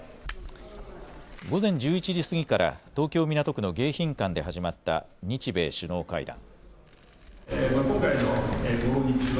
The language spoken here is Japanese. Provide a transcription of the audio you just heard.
午前１１時過ぎから東京港区の迎賓館で始まった日米首脳会談。